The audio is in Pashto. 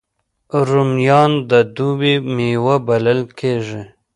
رومیان د دوبي میوه بلل کېږي